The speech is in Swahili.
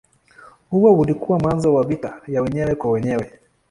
Huo ulikuwa mwanzo wa vita ya wenyewe kwa wenyewe.